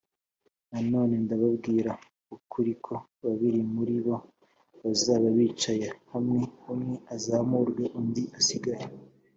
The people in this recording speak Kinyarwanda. Nanone ndababwira ukuri ko babiri muri bo bazaba bicaye hamwe umwe azamurwe undi asigare.